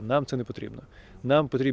tidak berkata kata tidak berkata kata